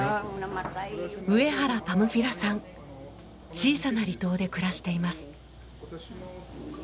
小さな離島で暮らしています。